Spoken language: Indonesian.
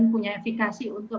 punya efekasi untuk